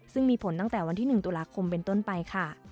ซึ่งมีผลตั้งแต่วันที่๑ตุลาคมเป็นต้นไปค่ะ